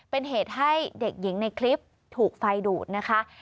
เป็นเหตุให้เด็กหญิงในคลิปถูกไฟดูดนะคะ